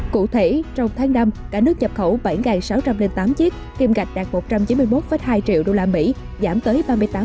cụ thể trong tháng năm cả nước nhập khẩu bảy sáu trăm linh tám chiếc kim gạch đạt một trăm chín mươi một hai triệu usd giảm tới ba mươi tám